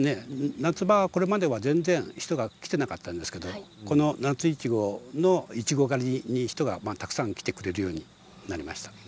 夏場は人が来ていなかったんですが夏いちごのいちご狩りに人がたくさん来てくれるようになりました。